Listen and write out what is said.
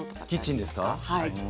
キッチンですか。